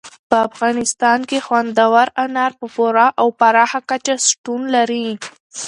په افغانستان کې خوندور انار په پوره او پراخه کچه شتون لري.